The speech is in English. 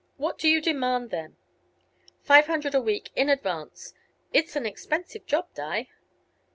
"What do you demand, then?" "Five hundred a week, in advance. It's an expensive job, Di."